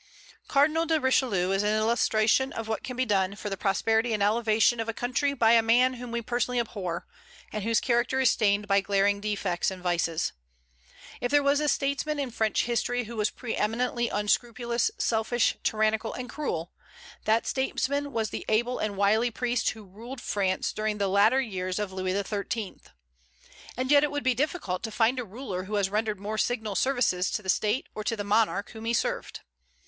Cardinal de Richelieu is an illustration of what can be done for the prosperity and elevation of a country by a man whom we personally abhor, and whose character is stained by glaring defects and vices. If there was a statesman in French history who was pre eminently unscrupulous, selfish, tyrannical, and cruel, that statesman was the able and wily priest who ruled France during the latter years of Louis XIII. And yet it would be difficult to find a ruler who has rendered more signal services to the state or to the monarch whom he served.